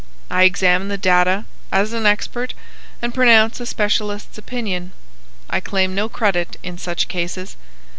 I examine the data, as an expert, and pronounce a specialist's opinion. I claim no credit in such cases.